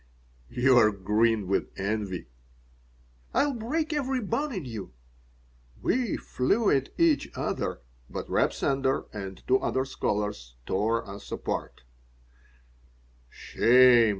"You're green with envy." "I'll break every bone in you." We flew at each other, but Reb Sender and two other scholars tore us apart "Shame!"